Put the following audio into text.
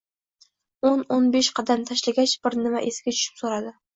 O'n-o'n besh qadam tashlagach bir nima esiga tushib so'radi: